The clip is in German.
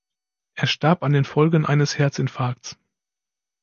Er starb an den Folgen eines Herzinfarkts.